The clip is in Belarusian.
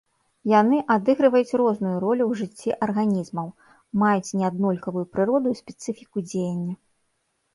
Яны адыгрываюць розную ролю ў жыцці арганізмаў, маюць неаднолькавую прыроду і спецыфіку дзеяння.